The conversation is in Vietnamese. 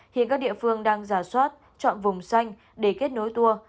hiện các địa phương đang giả soát chọn vùng xanh để kết nối tour